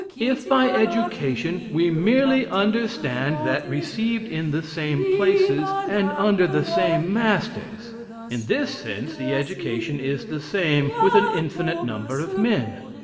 If by education we merely understand that received in the same places, and under the same masters; in this sense the education is the same with an infinite number of men.